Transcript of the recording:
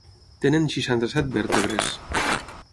Tenen seixanta-set vèrtebres.